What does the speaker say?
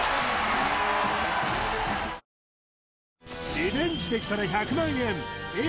リベンジできたら１００万円よっしゃ！